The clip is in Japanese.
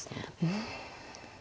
うん。